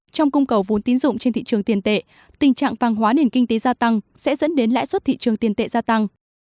trong cung cầu vốn tín dụng trên thị trường tiền tệ tình trạng vàng hóa nền kinh tế gia tăng sẽ dẫn đến lãi suất thị trường tiền tệ gia tăng